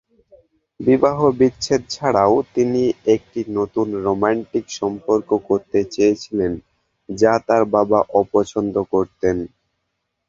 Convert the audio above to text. বিবাহবিচ্ছেদ ছাড়াও, তিনি একটি নতুন রোমান্টিক সম্পর্ক করতে চেয়েছিলেন, যা তার বাবা অপছন্দ করতেন।